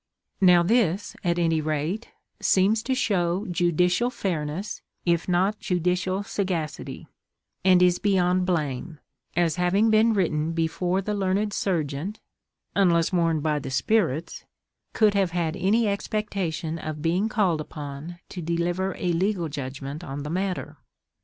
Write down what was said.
Now this, at any rate, seems to show judicial fairness if not judicial sagacity; and is beyond blame, as having been written before the learned Serjeant (unless warned by the spirits) could have had any expectation of being called upon to deliver a legal judgment on the matter.